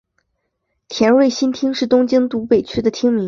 田端新町是东京都北区的町名。